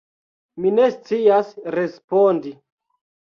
Mi ne scias respondi.